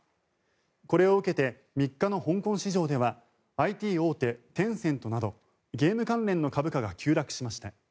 これを受けて３日の香港市場ではＩＴ大手テンセントなどゲーム関連の株価が急落しました。